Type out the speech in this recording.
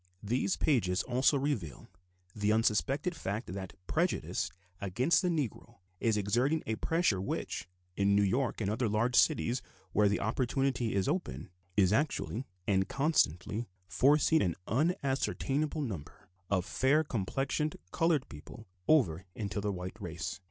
These pages also reveal the unsuspected fact that prejudice against the Negro is exerting a pressure which, in New York and other large cities where the opportunity is open, is actually and constantly forcing an unascertainable number of fair complexioned colored people over into the white race.